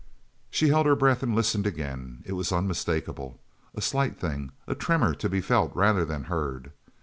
She held her breath and listened again. It was unmistakable a slight thing a tremor to be felt rather than heard.